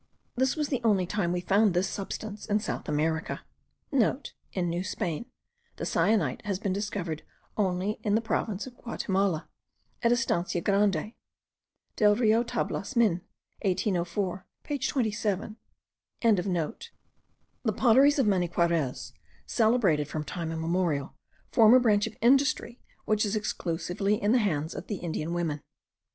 This was the only time we found this substance in South America.* (* In New Spain, the cyanite has been discovered only in the province of Guatimala, at Estancia Grande, Del Rio Tablas Min. 1804 page 27.) The potteries of Maniquarez, celebrated from time immemorial, form a branch of industry which is exclusively in the hands of the Indian women.